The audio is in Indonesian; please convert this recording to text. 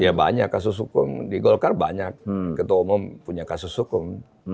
ya banyak kasus hukum di golkar banyak ketua umum punya kasus hukum